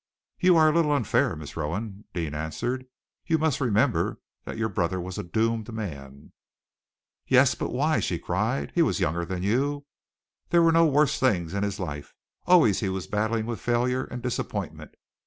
"You are a little unfair, Miss Rowan," Deane answered. "You must remember that your brother was a doomed man." "Yes, but why?" she cried. "He was younger than you. There were no worse things in his life. Always he was battling with failure and disappointment.